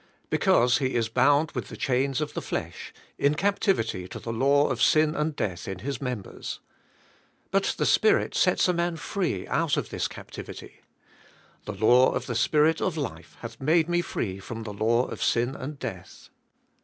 Because he is bound with the chains of the flesh, in captivity to the law of sin and death in his members. But the Spirit sets a man free out of this captivity. "The law of the Spirit of life hath made me free from the law of sin and death."